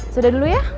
sudah dulu ya